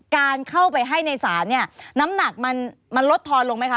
การเข้าไปให้ในศาลเนี่ยน้ำหนักมันลดทอนลงไหมคะ